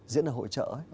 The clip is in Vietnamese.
diễn ở hội trợ